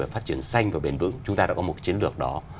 phát triển xanh và bền vững chúng ta đã có một chiến lược đó